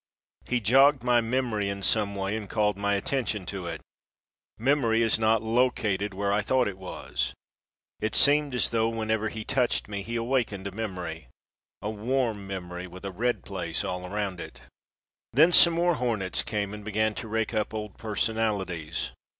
He jogged my memory in some way and called my attention to it. Memory is not located where I thought it was. It seemed as though whenever he touched me he awakened a memory a warm memory with a red place all around it. Then some more hornets came and began to rake up old personalities.